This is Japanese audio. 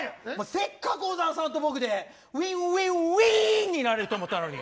せっかく小沢さんと僕でウィンウィンウィーンになれると思ったのに。